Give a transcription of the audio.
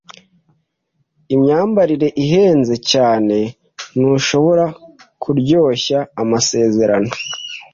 Imyambarire ihenze cyane. Ntushobora kuryoshya amasezerano?